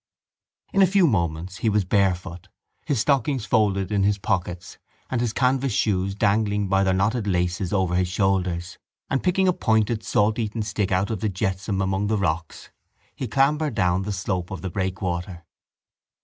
In a few moments he was barefoot, his stockings folded in his pockets and his canvas shoes dangling by their knotted laces over his shoulders and, picking a pointed salteaten stick out of the jetsam among the rocks, he clambered down the slope of the breakwater.